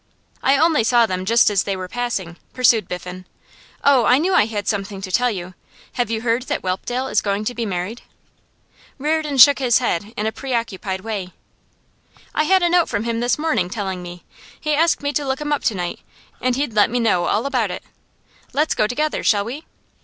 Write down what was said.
'I only saw them just as they were passing,' pursued Biffen. 'Oh, I knew I had something to tell you! Have you heard that Whelpdale is going to be married?' Reardon shook his head in a preoccupied way. 'I had a note from him this morning, telling me. He asked me to look him up to night, and he'd let me know all about it. Let's go together, shall we?